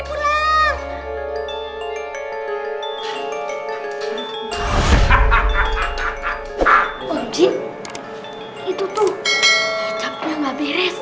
om jin itu tuh kecapnya gak beres